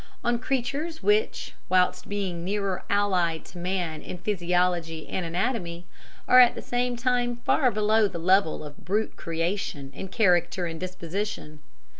On creatures which whilst being nearer allied to man in physiology and anatomy, are at the same time far below the level of brute creation in character and disposition.